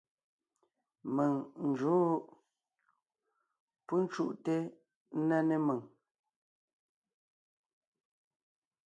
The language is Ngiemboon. Mèŋ n jǔʼ. Pú cúʼte ńná né mèŋ.